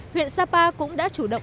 huyện sapa cũng đã chủ động